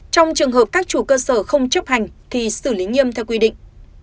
trong trường hợp các chủ cơ sở không chấp hành thì xử lý nghiêm theo quy định